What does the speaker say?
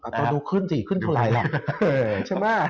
ต้องดูขึ้นสิขึ้นเท่าไหร่ล่ะเฮ้ยใช่มั้ย